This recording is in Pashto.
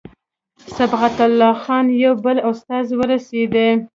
صبغت الله خان یو بل استازی ورسېدی.